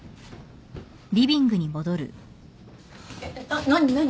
えっ何何？